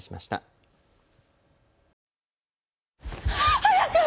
早く！